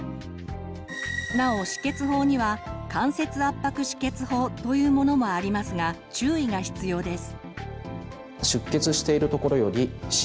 なお止血法には間接圧迫止血法というものもありますが注意が必要です。